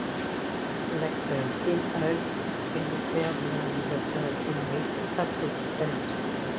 L'acteur Tim Hughes est le père du réalisateur et scénariste Patrick Hughes.